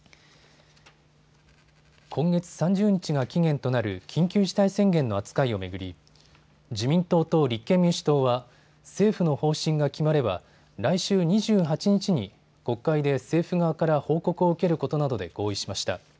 今月３０日が期限となる緊急事態宣言の扱いを巡り、自民党と立憲民主党は政府の方針が決まれば来週２８日に国会で政府側から報告を受けることなどで合意しました。